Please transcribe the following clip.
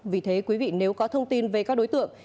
vì thế quý vị nếu có thông tin về các đối tượng